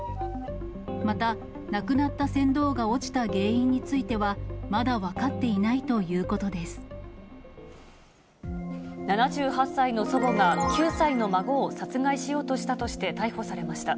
また、亡くなった船頭が落ちた原因については、まだ分かっていないとい７８歳の祖母が、９歳の孫を殺害しようとしたとして逮捕されました。